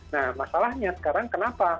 nah masalahnya sekarang kenapa